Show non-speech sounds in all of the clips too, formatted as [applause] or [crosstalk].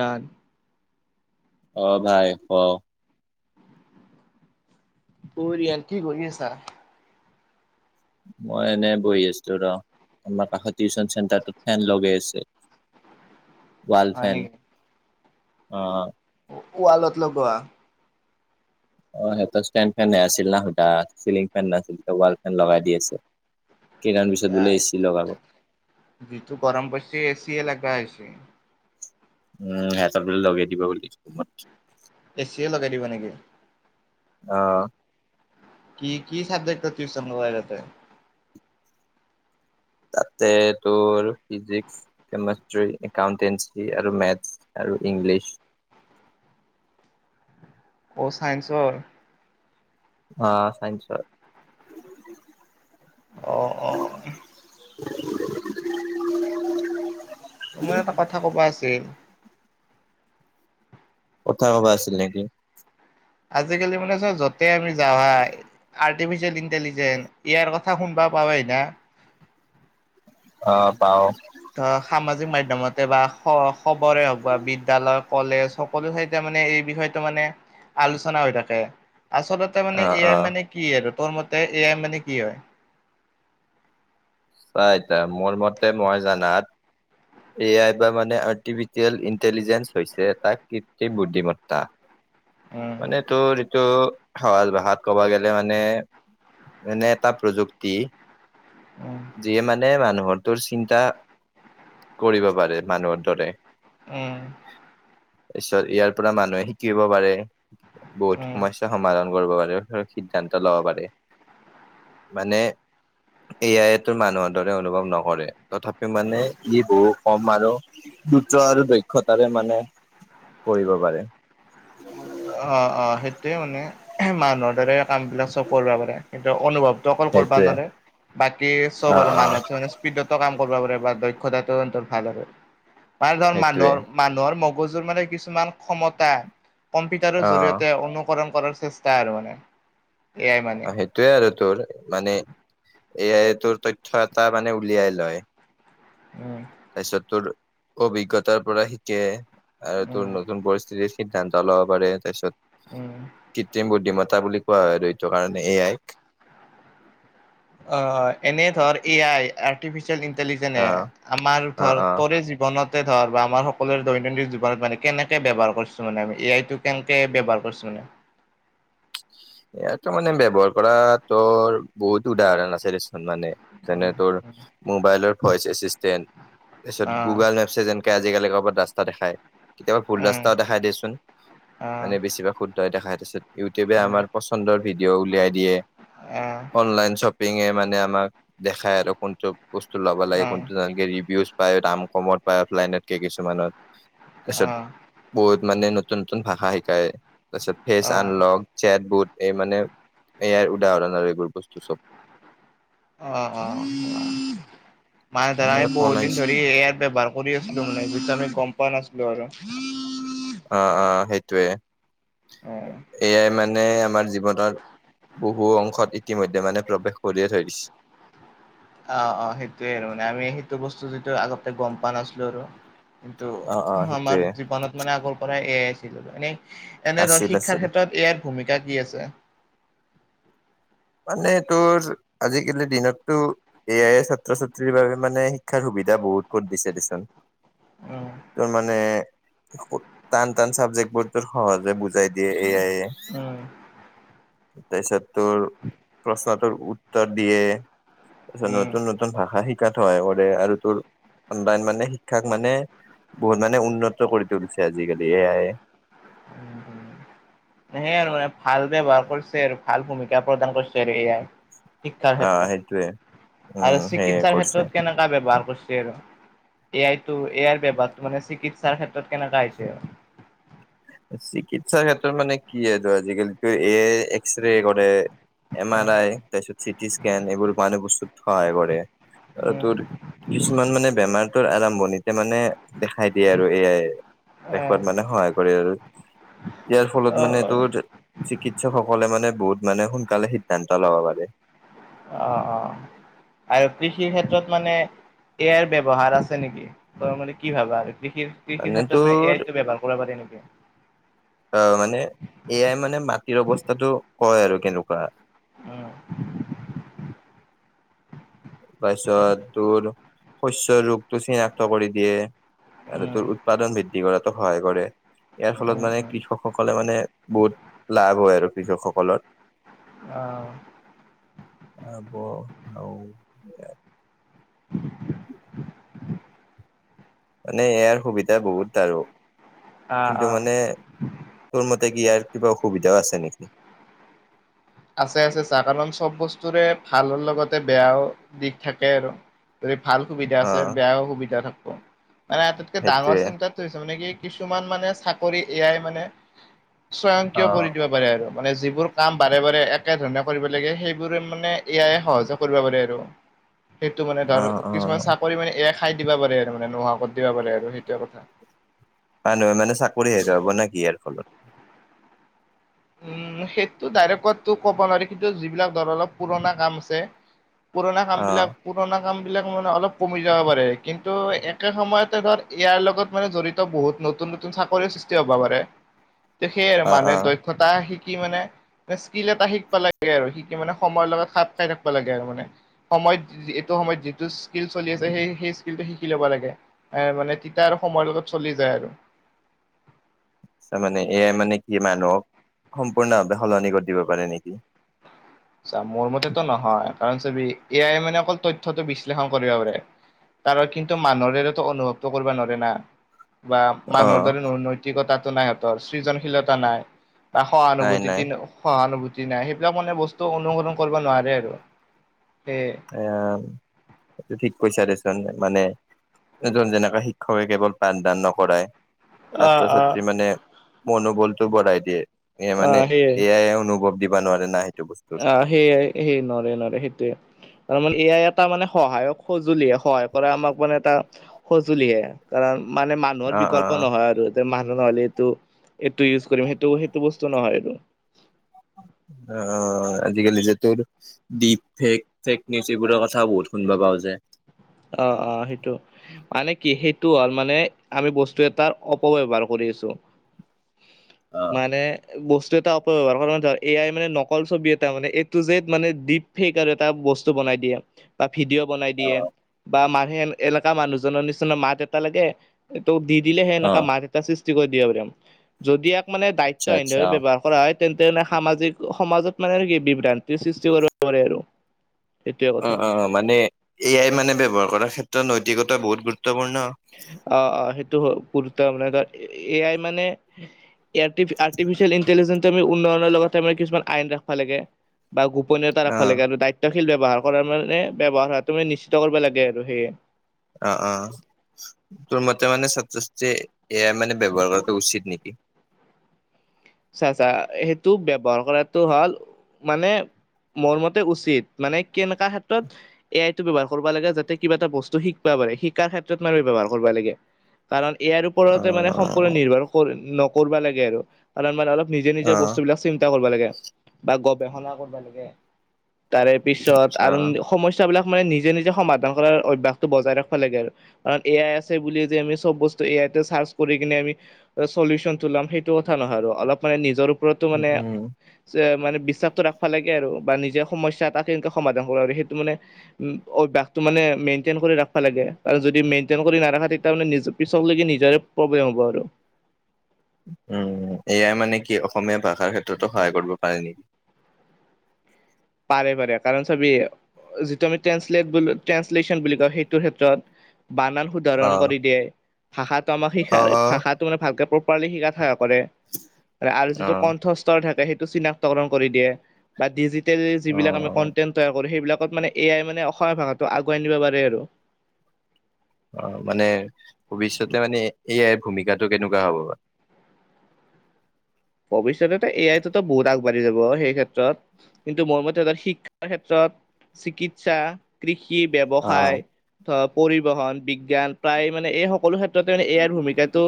Run অ, ভাই ক। ও ৰিয়ান কি কৰি আছা? মই এনেই বহি আছো ৰ আমাৰ কাষত টিউচন চেণ্টাৰটোত ফেন লগেই আছে [inaudible] ৱালফেন নেকি অ, ৱালত লগোৱা। অ, সিহতাত ষ্টেণ্ড ফেন হে আছিল না সুাধা চিলিং ফেন নাছিল ৱাল ফেন লগাই দি আছে। কেইদিনমান পিছত বোলে এচি লগাব যিটো গৰম পৰচি কিয়ে লাগবা আইছি উম, হেতৰ বুলে লগে দিব বুলি। এ চিয়ে লগাই দিব নেকি? অহ ', কি - কি চাবজেক্টৰ টিউচন লয় তাতে। [inaudible] যে তোৰ ফিজিক্স, কেমেষ্ট্ৰি, একাউন্টেঞ্চি আৰু মেথছ আৰু ইংলিছ। [inaudible] অ, চাইন্ঞ্চৰ। অ, চাইঞ্চৰ। অ অ [unintelligible] তোমাৰ এটা কথা কব আছিল। কথা কব আছিল নেকি। আজিকালি মানে চাও য'তে আমি যাৱাই, আৰ্টিফিচিয়েল ইনটিলিজেন ইয়াৰ কথা কোন দেখা পাও না। অ, পাও। অ, সামাজিক মাধ্যমতে বা খ - খবৰে হওক বা বিদ্যালয়ত কলেজ সকলো ঠাইতে মানে এই বিষয়টো মানে, আলোচনা হৈ থাকে। আচলতে মানে অ এ অ আই মানে কি আৰু। তোৰ মতে এ আই মানে কি হয়। চা এতিয়া মোৰ মতে মই জানাত। এ আই বা মানে আৰ্টিফিচিয়েল ইণ্টেলিজেঞ্চ হৈছে এটা কৃত্ৰিম বুদ্ধিমত্তা। উম, মানে তোৰ টো সহজ ভাষাত ক'ব গ'লে মানে, এনে এটা প্ৰযুক্তি উম, যিয়ে মানে মানুহৰটোৰ চিন্তা। কৰিব পাৰে মানুহৰ দৰে। উম, তা পিছত ইয়াৰ পৰা মানুহে শিকিব পাৰে, বহুত উম, সমস্যা সমাধান কৰিব পাৰে। ধৰ সিদ্ধান্ত লব পাৰে, মানে এয়াইটো মানুহৰ দৰে অনুভৱ নকৰে তথাপি মানে ই বহু কম আৰু দ্ৰুত আৰু দক্ষতাৰে মানে কৰিব পাৰে। অ', অ', অ', সেইটোয়ে মানে মানুহৰ দৰে কাম বিলাক চব কৰিব পাৰে কিন্তু অনুভৱ টো অকল কৰবা সেইটোৱে নোৱাৰে বাকী চব অ আৰু অ মানুহে দৰে স্পীডতো কাম কৰবা পাৰে বা দক্ষতাটো হেঁতৰ ভাল আৰু ভাল ভাল সেইটোৱে মানুহৰ মানুহৰ ভাল [unintelligible] কিছুমান ক্ষমতা, কম্পিউটাৰ অ জৰিয়তে অনুকৰণ কৰাৰ চেষ্টা আৰু মানে। এ আই মানে। অ', সেইটোয়ে আৰু তোৰ মানে, এয়াই তোৰ তথ্য এটা মানে উলিয়াই লয়। উম, তাৰপিছত তোৰ অভিজ্ঞতাৰ পৰা শিকে, আৰু তোৰ উম নতুন পৰিস্থিতি সিদ্ধান্ত লব পাৰে তাৰপিছত, উম কৃত্ৰিম বুদ্ধিমতা মতা বুলি কোৱা হয় আৰু সেইটুকাৰণেই এয়াইক অ', এনেই ধৰ এ আই আৰ্টিফিচিয়েল ফিচিয়েল ইনটিলিজেন অ এই আমাৰ অ ধৰ অ তৰেই জীবনত তে ধৰ বা আমাৰ সকলোৰে দৈনন্দিন জীৱনত মানে কেনেকে ব্যৱহাৰ কৰছোঁ মানে আমি, এ আই টো কেনেকে ব্যৱহাৰ কৰছোঁ মানে [inaudible] এ ত মানে ব্যৱহাৰ কৰা তৰ বহুত উদাহৰণ আছে মানে যেনে উম তোৰ মোবাইলৰ ভইচ এছিষ্টেণ। তাৰপিছত অ গুগল মেপছেই যেনেকে আজি আজিকালি ক'ৰবাত ৰাস্তা দেখাই, কেতিয়াবা ভুল উম ৰাস্তাও দেখাই দিয়েচোন, অ মানে বেছিভাগ শুদ্ধই দেখাই তাৰপিছত ইউটিউবে উম আমাৰ পচন্দৰ ভিডিঅ' উলিয়াই দিয়ে, অ অনলাইন শ্বপ পিংগে মানে আমাক দেখাই আৰু কোনটো বস্তু লব লাগে অ অ কোনটো নালগে ৰিভিউছ পায় দাম কমত পায় অফলাইনতকে কিছুমানত, তাৰিছত, বহুত মানে নতুন নতুন ভাষা শিকায় তাৰপিছত ফেচ অ আনলক চেট বুট এই মানে এয়াই উদাহৰণ আৰু এইবোৰ বস্তু চব। অ', অ', মানে ধৰা আমি ফোন বহুত দিন আহিছে ধৰি এয়াৰ ব্যৱহাৰ কৰি আছিলোঁ মানে কিন্তু আমি গম পোৱা নাছিলোঁ ৰ, ৰ, অ', অ', সেইটোৱে। অ এয়াই মানে আমাৰ জীৱনৰ বহুত ভু অংশত ইতিমধ্যে মানে প্ৰৱেশ কৰিয়ে থৈ দিছে। অ', অ' সেইটোয়ে আৰু মানে আমি সেইটো বস্তু যিটো আগতে গম পোৱা নাছিলোঁ আৰু। কিন্তু অ', অ', আমাৰ সেইটোয়ে জীৱনত মানে আগৰ পৰাই এয়াই আছিল এনে এনেদৰে আছিল শিক্ষাৰ আছিল ক্ষেত্ৰত এয়াৰ ভূমিকা কি আছে? মানে তোৰ আজিকালি দিনত তো এয়াই ছাত্ৰ ছাত্ৰীৰ বাবে মানে শিক্ষাৰ সুবিধা সুবিধা বহুত কৰি দিছে দেচোন উম তাৰ মানে টান টান চাবজেক্ট বোৰতো সহজে বুজাই দিয়ে। এয়াইয়ে উম তাৰপিছত তোৰ প্ৰশ্নটোৰ উত্তৰ দিয়ে তাৰপিছত উম নতুন নতুন ভাষা শিকাট হয়। আৰু তোৰ অনলাইন মানে শিক্ষাক মানে বহুত মানে উন্নত কৰি তুলিছে আজিকালি এয়াইয়ে। উম, উম, সেই আৰু মানে ভাল ব্যৱহাৰ কৰিছে আৰু ভাল ভূমিকা প্ৰদান কৰিছে আৰু এয়াই। শিক্ষাৰ অ সেইটোয়ে ক্ষেত্ৰত আৰু উম সেয়ে চিকিৎসাৰ কৰিছে ক্ষেত্ৰত কেনেকুৱা ব্যৱহাৰ কৰিছে আৰু? এয়াইটো এয়াৰ ব্যৱহাৰটো মানে চিকিৎসাৰ ক্ষেত্ৰত কেনেকা হৈছে? চিকিৎসাৰ ক্ষেত্ৰত মানে কি আৰু আজিকালিতো এয়াই এক্সৰে কৰে। এম আৰ আৰু আই তাৰপিছত চিটিস্কেন, এইবোৰো মানে বস্তুত সহায় কৰে। আৰু উম, তোৰ কিছুমান মানে বেমাৰ তৰ আৰম্ভণিতে মানে দেখাই দিয়ে আৰু এয়াই আহ, দেখুৱাত মানে সহায় কৰে আৰু ইয়াৰ ফলত অ', মানে অ', তোৰ চিকিৎকসকলে মানে বহুত মানে সোনকালে সিদ্ধান্ত ল'ব পাৰে অ অ আৰু কৃষিৰ ক্ষেত্ৰত মানে ইয়াৰ ব্যৱহাৰ আছে নিকি তই মনে কি ভাবা আৰু কৃষি কৃষিৰ ক্ষেত্ৰত মানে এয়াইটো ব্যৱহাৰ কৰিব পাৰে নিকি অহ মানে এয়াই মানে মাটিৰ অৱস্থাটো কয় আৰু কেনেকুৱা উম পাছত তোৰ শস্যৰ ৰূপটো চিনাক্ত কৰি দিয়ে আৰু উম, তোৰ উৎপাদন বৃদ্ধি কৰাতো সহায় কৰে ইয়াৰ ফলত উম, মানে উম, কৃষকসকলে মানে বহুত লাভ হয় আৰু কৃষকসকলৰ আহ আব আও মানে এয়াইৰ সুবিধা বহুত আৰু অ', কিন্তু অ', মানে তোৰ মতে কি ইয়াৰ কিবা অসুবিধাও আছে নিকি আছে আছে চা কাৰণ চব বস্তুৰে ভালৰ লগতে বেয়াও দিশ থাকে আৰু যদি ভাল সুবিধা অ আছে বেয়াও সুবিধা থাক মানে আটাইতকে ডাঙৰ সেইটোৱে। চিন্তাতো হৈছে মানে কি কিছুমান মানে চাকৰি এয়াই মানে স্বয়ংক্ৰিয় কৰি অ'। দিব পাৰে আৰু মানে যিবোৰ কাম বাৰে বাৰে একে ধৰণে কৰিব লাগে সেইবোৰে মানে এয়াই সহজে কৰিব পাৰে আৰু সেইটো মানে ধৰ অ', কিছুমান অ', চাকৰি মানে এ আই খাই দিবা পাৰে আৰু মানে নোহোৱা কৰি দিব পাৰে আৰু সেইটোৱে কথা মানুহে মানে চাকৰি হে যাব ন কি ইয়াৰ ফলত উম সেইটো ডাইৰেক্টতো ক'ব নোৱাৰি কিন্তু যিবিলাক ধৰ অলপ পুৰণা কাম আছে পুৰণা কাম অ', বিলাক পুৰণা কাম বিলাক মানে অলপ কমি যাব পাৰে, কিন্তু একে সময়তে ধৰ ইয়াৰ লগত মানে জড়িত বহুত নতুন নতুন চাকৰিৰ সৃষ্টি হ'ব পাৰে। তে সেয়ে আৰু অ', মানুহে অ'। দইত ঘটা শিকি মানে স্কিল এটা শিকবা লাগে আৰু শিকি মানে সময়ৰ লগত খাপ খাই থাকবা লাগে আৰু মানে। সময়ত এইটো সময়ত যিটো স্কিল চলি আছে সেই সেই স্কিলটো শিকি ল'ব লাগে। এ মানে তিতা আৰু সময়ৰ লগত চলি যায় আৰু। মানে, এ আই মানে কি মানুহক সম্পূৰ্ণভাৱে সলনি কৰি দিব পাৰে নিকি? চা, মোৰ মতেতো নহয়। কাৰণ চাবি এ আই মানে অকল তথ্যটো বিশ্লেষণ কৰিব পাৰে। তাৰো কিন্তু মানুহৰে টো অনুভৱটো কৰিবা নওৰে না। বা মানুহৰ অ'। দৰে নৈতিকতাটো নাই সিহঁতৰ, সৃজনশীলতা নাই। বা নাই নাই সহানুভূতিতি-সহানুভূতি নাই, সেইবিলাক মানে বস্তু টো অনুসৰন কৰিব নোৱাৰে আৰু। সেয়ে অ, এইটো ঠিক কৈছা দেছ মানে এজন যেনেকা শিক্ষকে কেৱল পাঠদান নকৰাই, অ', অ'। ছাত্ৰ-ছাত্ৰী মানে মনোবলটো বঢ়াই দিয়ে। এ মানে আহ এ আইয়ে অনুভৱ দিবা নোৱাৰে না। বস্তুৰ। অ সেইয়াই, সেই নওৰে নওৰে সেইটোয়ে তাৰ মানে এ আই এটা মানে সহায়ক সঁজুলি হে। সহায় কৰা আমাক মানে এটা সঁজুলিহে। কাৰণ মানে মানুহৰ অ', বিকল্প অ', নহয় আৰু যে মান নহ'লে এইটো-এইটো ইউজ কৰিম সেইটো- সেইটো বস্তু নহয় আৰু। অ, আজিকালি যে তোৰ দীপ ফেক, ফেক নিউজ এইবোৰৰ কথাও বহুত শুনিব পাওঁ যে, অ অ সেইটো মানে কি সেইটো হ'ল মানে আমি বস্তু এটাৰ অপব্যৱহাৰ কৰি আছো। অ', মানে- বস্তু এটা অপব্যৱহাৰ কৰা মানে ধৰ এ আই মানে নকল ছবি এটা মানে এইটো যে মানে দীপ ফেক আৰু এটা বস্তু বনাই দিয়ে বা ভিডিঅ' বনাই দিয়ে। বা মাহে এন-এনেকা মানুহজনৰ নিচিনা মাত এটা লাগে, তো দি দিলেহে অ'। সেনেকা মাত এটা সৃশ দিব দিব পাৰিম, যদি ইয়াক মানে আচ্ছা আচ্ছা। দায়িত্বাহীনভাৱে ব্যৱহাৰ কৰা হয়, তেন্তে নে সামাজিক, সমাজত মানে আৰু কি বিভ্ৰান্তিৰ সৃষ্টি কৰিব পাৰে আৰু। সেইটোৱে অ কথা - অ, মানে এ আই মানে ব্যৱহাৰ কৰাৰ ক্ষেত্ৰত নৈতিকতা বহুত গুৰুত্ব অ- অ, সেইটো [unintelligible] মানে এয়াই মানে এই আৰ্তিফিচিয়াল ইন্টেলিনন্তে আমি উন্নয়নৰ লগত আমি কিছুমান আইন ৰাখবা লাগে। বা উপনীয়তা অ ৰাখিব লাগে আৰু দায়িত্বশীল ব্যৱহাৰ কৰাৰ মানে ব্যৱহাৰ হোৱাটো মানে নিশ্চিত কৰিব লাগে আৰু সেয়ে। অ - অ। তোৰ মতে মানে ছাত্ৰ ছাত্ৰীয়ে এ আই মানে ব্যৱহাৰ কৰাটো উচিত নেকি? চা-চা, সেইটো ব্যৱহাৰ কৰাটো হ'ল মানে মোৰ মতে উচিত, মানে কেনেকা ক্ষেত্ৰত এ আই টো ব্যৱহাৰ কৰবা লাগে যাতে কিবা এটা বস্তু শিকপা শিকাৰ ক্ষেত্ৰত মানে ব্যৱহাৰ কৰিব লাগে কাৰন ইয়াৰ অ ওপৰতে মানে সম্পূৰ্ণ নিৰ্ভৰ নকৰবা লাগে আৰু কাৰণ মানে অলপ নিজে- অ নিজেৰ বস্তু বিলাক চিন্তা কৰিব লাগে বা গৱেষণা কৰিব লাগে। তাৰে পিছত আচ্ছা আৰু সমস্যাবিলাক মানে নিজে-নিজে সমাধান কৰাৰ অভ্যাসটো বজাই ৰাখবা লাগে। আৰু কাৰণ এ আই আছে বুলি যে আমি চব বস্তু এ আ তে চাৰ্চ কৰি কিনে আমি চলিউচন টো ল'ম সেইটো কথা ন আৰু অলপ মানে নিজৰ ওপৰতো উম মানে উম। যে মানে বিশ্বাসটো ৰাখবা লাগে আৰু বা নিজে সমস্যা তা কেনেকে সমাধান কৰ আৰু সেইটো মানে উ-উ অভ্যাসটো মানে মেইনতেইন কৰি ৰাখবা লাগে আৰু যদি মেইনতেইন কৰি নাৰাখা তেতিয়া মানে নিজ পিছক গেলি নিজৰে প্ৰব্লেম হ'ব আৰু। [inaudible] এ আই মানে কি অসমীয়া ভাষাৰ ক্ষেত্ৰতো সহায় কৰিব পাৰে নেকি? পাৰে - পাৰে। কাৰণ চাবি যিটো আমি ট্ৰেন্সলেট বুলি ট্ৰেঞ্চলেছন বুলি কও, সেইটোৰ ক্ষেত্ৰত বানান অ শুধাৰণ কৰি দিয়ে। ভাষাটো আমাক অ শিখাৰ অ ভাষাটো মানে ভালকে প্ৰপাৰলি শিকাত সহ কৰে। আৰু অ যিটো কণ্ঠ স্তৰ থাকে সেইটো চিনাক্তকৰণ কৰি দিয়ে। বা দি যি অ জিতেলি আমি কণ্টেণ্ট তৈয়াৰ কৰো, সেইবিলাক মানে এয়াই মানে অসমীয়া ভাষাটো আগুৱাই নিব পাৰে আৰু অ মানে ভৱিষ্যতে মানে এ আইৰ ভূমিকাটো কেনেকুৱা হ'ব বা? ভৱিষ্যতে এ আই টোতো বহুত আগবাঢ়ি যাব সেই ক্ষেত্ৰত, কিন্তু মোৰ মতে স শিক্ষাৰ ক্ষেত্ৰত। চিকিৎসা, কৃষি কি অ ব্যৱসায়, ধ পৰিবহন, বিজ্ঞান প্ৰায় মানে এই সকলো ক্ষেত্ৰ এ আইৰ ভূমিকাটো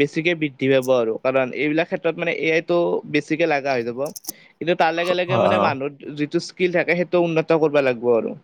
বেছিকে বৃদ্ধি পাব আৰু কাৰণ এইবিলাক ক্ষেত্ৰত মানে এ আইটো বেছি বেছিকে লগা হৈ যাব কিন্তু তাৰ লগে - লগে মানে অ মানুহত যিটো স্কিল থাকে সেইটো উন্নত কৰবা লাগব' আৰু।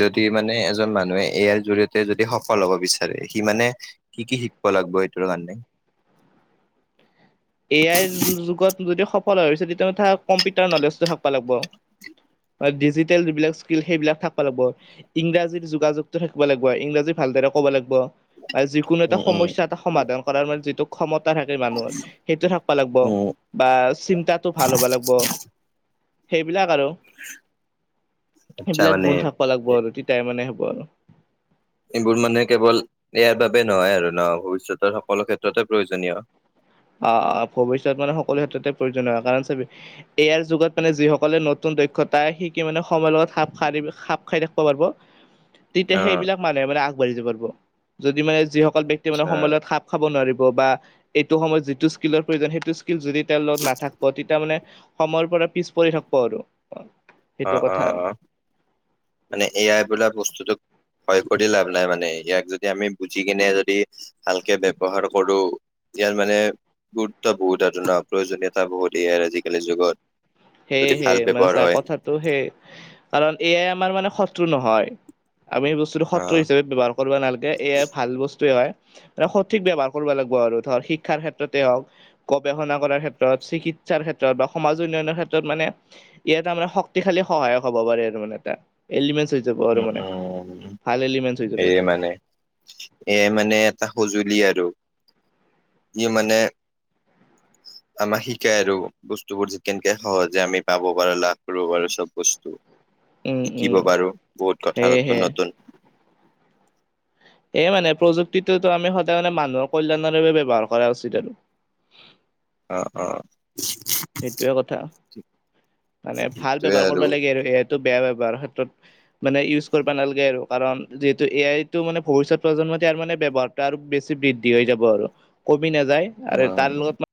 যদি মানে এজন মানুহে এ আইৰ জৰিয়তে যদি সফল হব বিচাৰে সি মানে কি - কি শিকিব লাগিব এইটোৰ কাৰণে? এ আইৰ যুগত যদি সফল হ'ব খুজিছা তেতিয়া কম্পিউটাৰ নলেজটো থাকবা লাগব। ডিজিটেল যিবিলাক স্কিল সেইবিলাক থাকবা লাগব, ইংৰাজী যোগাযোগতটো থাকিব লাগিব, ইংৰাজী ভালদৰে ক'ব লাগিব। যিকোনো এটা উম উম সমস্যা এটা সমাধান কৰাৰ মানে যিটো ক্ষমতা থাকে মানুহৰ। সিটো থাকবা লাগব', উম বা চিন্তাটো ভাল হ'বা লাগব। আচ্ছা সেইবিলাক মানে গুণ থাকবা লাগব এ আৰু তিতাহে মানে হ'ব আৰু। এইবোৰ মানে কেৱল ইয়াৰ বাবে নহয় আৰু ন ভৱিষ্যতৰ সকলো ক্ষেত্ৰতে প্ৰয়োজনীয় অ অ ভৱিষ্যত মানে সকলো ক্ষেত্ৰতে প্ৰয়োজন হয় কাৰণ এ আইৰ যুগত মানে যিসকলে নতুন দক্ষতা শিকি মানে সময়ৰ লগত খাপ খাৰি - খাপ খাৰি থ কবা পাৰিব। তিতা অ সেইবিলাক মানুহে মানে আগবাঢ়ি য পাৰিব যদি মানে যিসকল ব্যক্তি মানে আচ্ছা সময়ৰ লগত খাপ খাব নোৱাৰিব বা এইটো সময়ত যিটো স্কিলৰ প্ৰয়োজন সেইটো স্কিল যদি তেও লগত নাথাকিব তেতিয়া মানে সময়ৰ পৰা পিছ পৰি থাকিব আৰু অ, অ - অ - অ মানে এ আই বোলা বস্তুটো ভয় কৰি লাভ নাই মানে ইয়াক যদি আমি বুজি কিনে যদি ভালকে ব্যৱহাৰ কৰো ইয়া মানে গুৰুত্ব বহুত আৰু ন প্ৰয়োজনীয়তা বহুত এ আইৰ আজিকালিৰ যুগত যদি সেয়েহে ভাল মানে ব্যৱহাৰ চা হয় কথাটো সেই কাৰণ এ আই আমাৰ মানে শত্ৰু নহয়। আমি সে বস্তুটো অ শত্ৰু হিচাপে ব্যৱহাৰ কৰিব নালগে এ আই ভাল বস্তুয়ে হয়। সঠিক ব্যৱহাৰ কৰবা লাগব আৰু ধৰ শিক্ষাৰ ক্ষেত্ৰতে হওক, গৱেষণা কৰাৰ ক্ষেত্ৰত, চিকিৎ সাৰ ক্ষেত্ৰত বা সমাজ উন্নয়নৰ ক্ষেত্ৰত। মানে ই এটা মানে শক্তিশালী সহায়ক হ'ব পাৰে আৰু মানে এটা এলিমেন্ট উম - উম হৈ যাব এইয়ে মানে এ আই মানে এটা সজুলি লিয আৰু ই মানে [inaudible] আমাক শিকাই আৰু বস্তুবোৰ যে কেনেকে সহজে আমি পাব পাৰো লাভ কৰিব পাৰো চব বস্তু। উম উম শিকিব পাৰো বহুত কথা সেয়েহে নতুন - নতুন। এই মানে প্ৰযুক্তিতো আমি সদায় মানে মানুহৰ কল্যাণৰ বাবে ব্যৱহাৰ কৰা উচিত আৰু অ - অ। সেইটোৱে কথা মানে ভাল ব্যৱহাৰ কৰিব লাগে আৰু এ আই বেয়া ব্যবহাৰৰ ক্ষেত্ৰত মানে ইউজ কৰবা নালগে আৰু কাৰণ যিহেতু এ আইটো মানে ভবিষ্যত ইয়াৰ মানে ব্যৱহাৰ আৰু বেছি বৃদ্ধি হৈ যাব আৰু কমি নাযায় আৰু তাৰ অ লগত